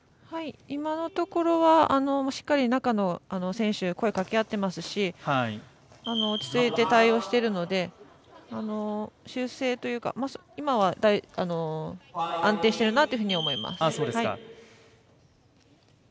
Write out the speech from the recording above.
今のところはしっかり中の選手に声をかけ合っていますし落ち着いて対応しているので今は安定していると思います。